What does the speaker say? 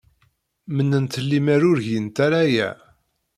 Mennant lemmer ur gint ara aya.